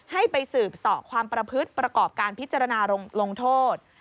ให้ไปสืบสอความประพฤติประกอบการพิจารณาลงโทษ